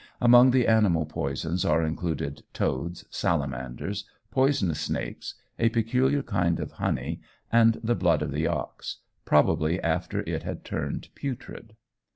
Among the animal poisons are included toads, salamanders, poisonous snakes, a peculiar kind of honey, and the blood of the ox, probably after it had turned putrid.